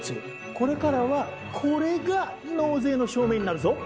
これからはこれが納税の証明になるぞ！